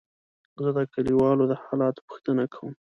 زه د کليوالو د حالاتو پوښتنه کوم.